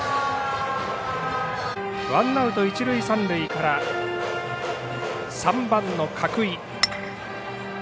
ワンアウト、一塁三塁から３番の角井。